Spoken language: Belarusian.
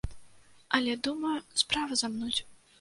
Але, думаю, справа замнуць.